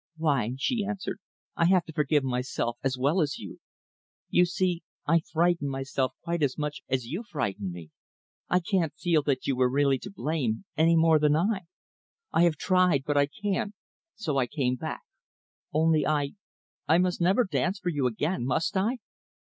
"Why," she answered, "I have to forgive myself as well as you. You see, I frightened myself quite as much as you frightened me. I can't feel that you were really to blame any more than I. I have tried, but I can't so I came back. Only, I I must never dance for you again, must I?"